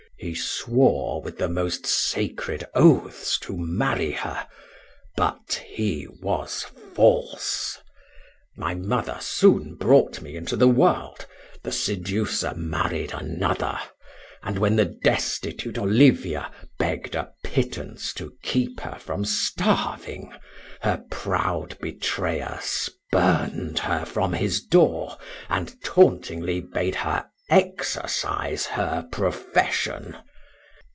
He swore with the most sacred oaths to marry her but he was false. "My mother soon brought me into the world the seducer married another; and when the destitute Olivia begged a pittance to keep her from starving, her proud betrayer spurned her from his door, and tauntingly bade her exercise her profession.